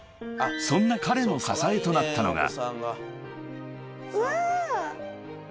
［そんな彼の支えとなったのが］